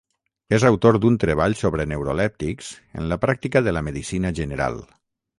És autor d'un treball sobre neurolèptics en la Pràctica de la Medicina General.